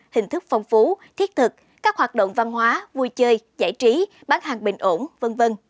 hình thức phong phú thiết thực các hoạt động văn hóa vui chơi giải trí bán hàng bình ổn v v